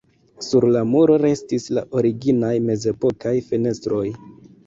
Sur la muro restis la originaj mezepokaj fenestroj.